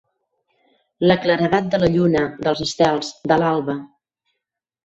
La claredat de la lluna, dels estels, de l'alba.